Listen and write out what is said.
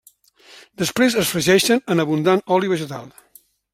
Després es fregeixen en abundant oli vegetal.